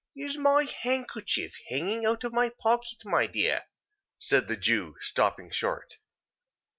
—Is my handkerchief hanging out of my pocket, my dear?" said the Jew, stopping short.